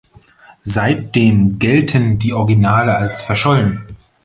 Seitdem gelten die Originale als verschollen.